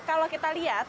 kalau kita lihat